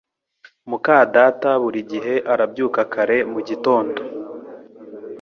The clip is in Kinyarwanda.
muka data buri gihe arabyuka kare mu gitondo